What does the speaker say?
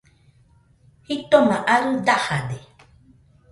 Jitoma arɨ dajade